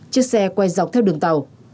chiếc xe quay dọc theo đường tàu